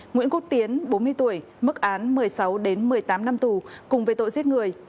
nguyễn quốc tiến bốn mươi tuổi mức án một mươi sáu đến một mươi tám năm tù cùng về tội giết người